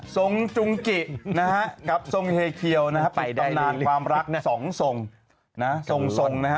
สงจุงกิกับทรงเฮเคียวไปดายนานความรักสองทรงทรงทรงนะ